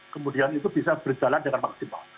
kemudian itu bisa berjalan dengan maksimal